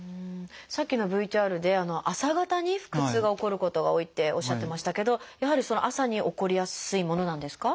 さっきのＶＴＲで朝方に腹痛が起こることが多いっておっしゃってましたけどやはり朝に起こりやすいものなんですか？